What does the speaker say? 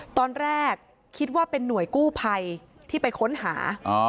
ตอนแรกคิดว่าเป็นหน่วยกู้ภัยที่ไปค้นหา